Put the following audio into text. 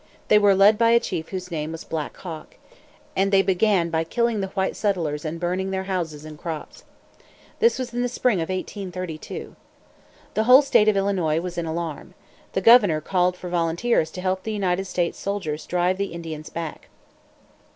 They were led by a chief whose name was Black Hawk; and they began by killing the white settlers and burning their houses and crops. This was in the spring of 1832. The whole state of Illinois was in alarm. The governor called for volunteers to help the United States soldiers drive the Indians back.